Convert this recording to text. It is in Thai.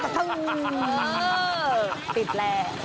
ติดแล